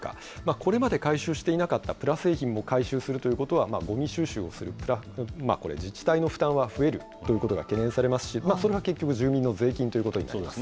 これまで回収していなかったプラ製品を回収するということは、ごみ収集をする自治体の負担は増えるということが懸念されますし、それは結局、住民の税金ということになります。